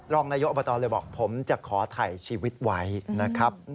รองนายกอบตเลยบอกผมจะขอถ่ายชีวิตไว้นะครับ